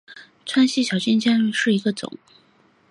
川西小金发藓为土马鬃科小金发藓属下的一个种。